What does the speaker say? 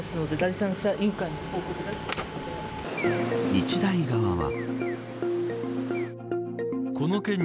日大側は。